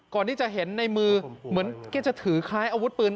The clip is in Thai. ก่อนที่จะเห็นในมือเหมือนแกจะถือคล้ายอาวุธปืน